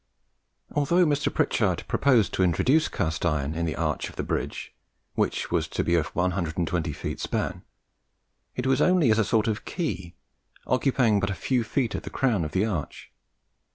Although Mr. Pritchard proposed to introduce cast iron in the arch of the bridge, which was to be of 120 feet span, it was only as a sort of key, occupying but a few feet at the crown of the arch.